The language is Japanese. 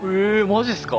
マジっすか？